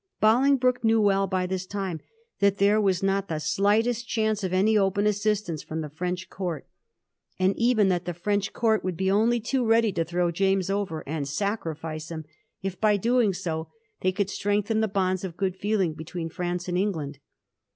Bolingbroke knew well, by this time, that there was not the slightest chance of any open assistance from the French Court ; and even Digiti zed by Google 1716 BOLINGBROEFS DISMISSAL. 173 that the French Court would be only too ready to throw James over, and sacrifice him, if, by doing so, they could strengthen the bonds of good feeling between France and England.